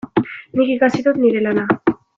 Nik ikasi dut nire lana.